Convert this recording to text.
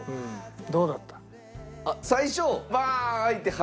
どうだった？